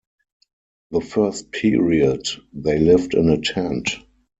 The first period, they lived in a tent.